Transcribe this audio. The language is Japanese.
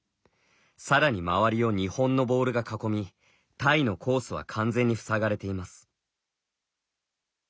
さらに周りを日本のボールが囲みタイのコースは完全にふさがれています。